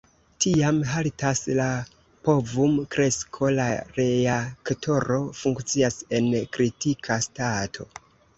Tiam haltas la povum-kresko, la reaktoro funkcias en "kritika stato".